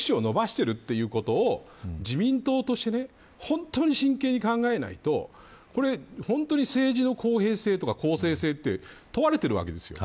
触手を伸ばしているということを自民党として本当に真剣に考えないと本当に政治の公平性とか公正性で問われているわけですよ。